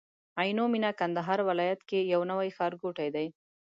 عينو مينه کندهار ولايت کي يو نوي ښارګوټي دي